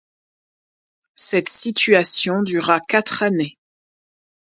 Cette situation dura quatre années.